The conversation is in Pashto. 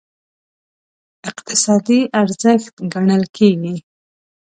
اقتصادي ارزښت ګڼل کېږي.